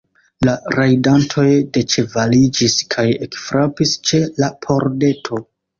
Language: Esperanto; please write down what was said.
La rajdantoj deĉevaliĝis kaj ekfrapis ĉe la pordeto.